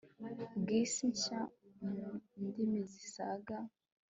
bw isi nshya mu ndimi zisaga